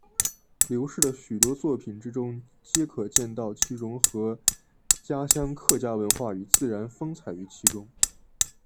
刘氏的许多作品之中皆可见到其融合家乡客家文化与自然风采于其中。